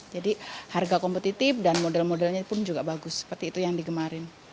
jadi harga kompetitif dan model modelnya pun juga bagus seperti itu yang di kemarin